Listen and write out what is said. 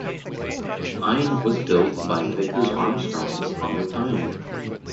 "Aisne" was built by Vickers-Armstrongs on the Tyne.